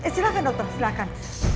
silahkan dokter silahkan